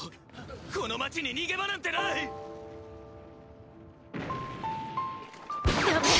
この街に逃げ場なんてない！！だめ！！